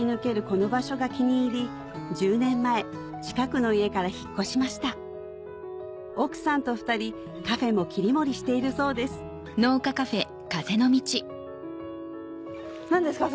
この場所が気に入り１０年前近くの家から引っ越しました奥さんと２人カフェも切り盛りしているそうです何ですか？